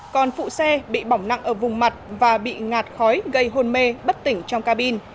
còn phụ xe bị bỏng nặng ở vùng mặt và bị ngạt khói gây hôn mê bất tỉnh trong cabin